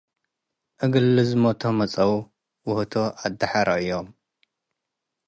እግል ልዝመቶ መጽአው፣ ወህቱ አደሐ ረአዮም፣ ላሊ